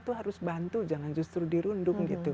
terus bantu jangan justru dirundung